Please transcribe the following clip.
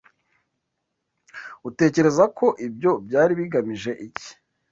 Utekereza ko ibyo byari bigamije iki?